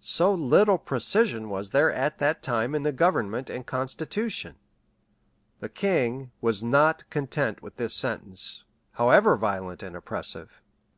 So little precision was there at that time in the government and constitution! The king was not content with this sentence, however violent and oppressive.